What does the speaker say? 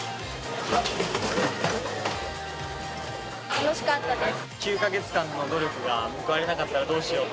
楽しかったです。